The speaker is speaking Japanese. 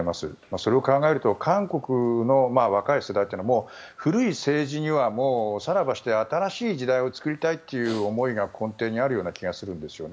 それを考えると韓国の若い世代というのはもう古い政治にはおさらばして新しい時代を作りたいという思いが根底にある気がするんですよね。